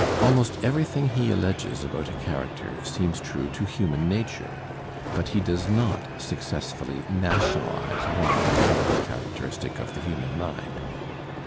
Almost everything he alleges about a character seems true to human nature, but he does not successfully nationalize one and another characteristic of the human mind.